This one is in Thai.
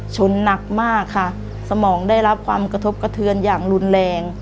หนักมากค่ะสมองได้รับความกระทบกระเทือนอย่างรุนแรง